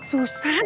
susah calon mantu